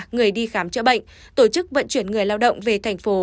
người đi khám chữa bệnh tổ chức vận chuyển người lao động về thành phố